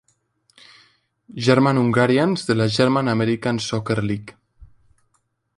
German-Hungarians de la German-American Soccer League.